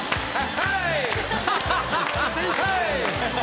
はい！